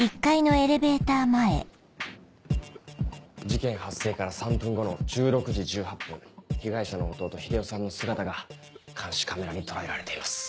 事件発生から３分後の１６時１８分被害者の弟・日出夫さんの姿が監視カメラに捉えられています。